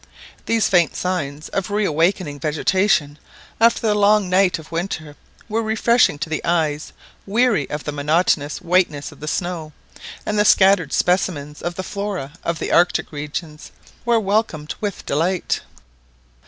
These faint signs of reawakening vegetation, after the long night of winter, were refreshing to eyes weary of the monotonous whiteness of the snow; and the scattered specimens of the Flora of the Arctic regions were welcomed with delight.